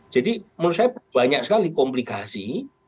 jadi menurut saya banyak sekali komplikasi